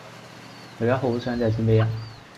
我依家好想借錢俾人